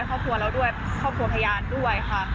ครอบครัวเราด้วยครอบครัวพยานด้วยค่ะ